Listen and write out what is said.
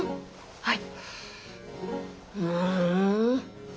はい。